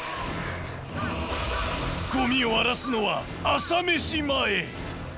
ゴミを荒らすのは朝飯前。